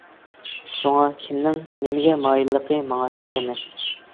شۇڭا كىمنىڭ نېمىگە مايىللىقى ماڭا سىر ئەمەس.